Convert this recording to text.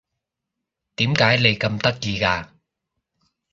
點解你咁得意嘅？